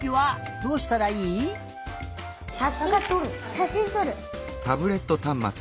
しゃしんとる。